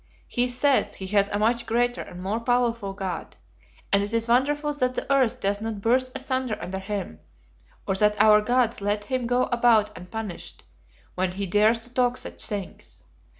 He says he has a much greater and more powerful God; and it is wonderful that the earth does not burst asunder under him, or that our God lets him go about unpunished when he dares to talk such things.